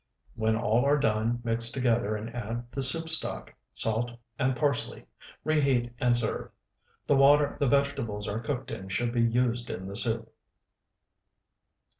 When all are done, mix together and add the soup stock, salt, and parsley; reheat, and serve. The water the vegetables are cooked in should be used in the soup.